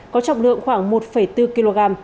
có trọng lượng khoảng một bốn kg